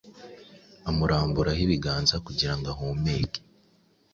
amurambikaho ibiganza, kugira ngo ahumuke.”